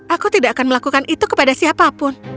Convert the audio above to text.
aku tidak akan melakukan itu kepada siapapun